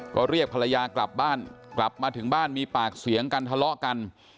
ก็เรียกภรรยากลับบ้านกลับมาถึงบ้านมีปากเสียงกันทะเลาะกัน